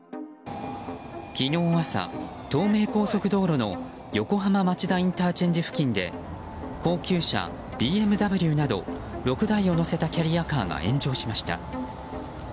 昨日朝、東名高速道路の横浜町田ＩＣ付近で高級車ＢＭＷなど６台を載せたキャリアカーが炎上しました。